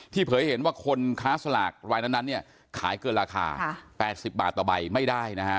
ที่เผยเห็นว่าคนค้าสลากรายนั้นขายเกินราคา๘๐บาทต่อใบไม่ได้